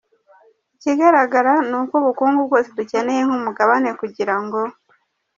Ikigaragara ni uko ubukungu bwose dukeneye nk’ umugabane kugira ngo ”.